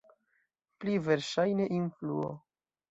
Pli verŝajne influo.